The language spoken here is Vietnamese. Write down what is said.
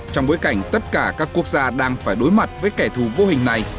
trong bối cảnh tất cả các quốc gia đang phải đối mặt với kẻ thù vô hình này